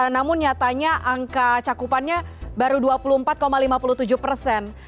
namun nyatanya angka cakupannya baru dua puluh empat lima puluh tujuh persen